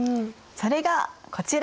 それがこちら。